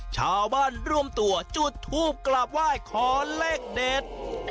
ชาวบ้านร่วมตัวจุดทูปกราบไหว้ขอเลขเด็ด